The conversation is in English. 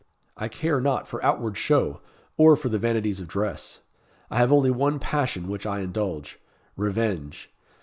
I care not for outward show, or for the vanities of dress. I have only one passion which I indulge, Revenge.